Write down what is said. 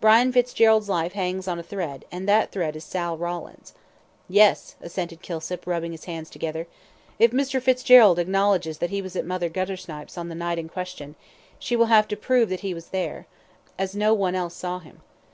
Brian Fitzgerald's life hangs on a thread, and that thread is Sal Rawlins." "Yes!" assented Kilsip, rubbing his hands together. "Even if Mr. Fitzgerald acknowledges that he was at Mother Guttersnipe's on the night in question, she will have to prove that he was there, as no one else saw him."